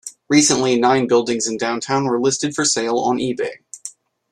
Recently, nine buildings in downtown were listed for sale on eBay.